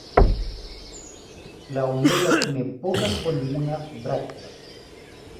La umbela tiene pocas o ninguna brácteas.